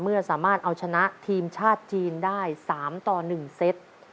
เมื่อสามารถเอาชนะทีมชาติจีนได้๓๑เทซ